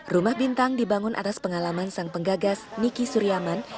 rumah bintang dibangun atas pengalaman sang penggagas niki suryaman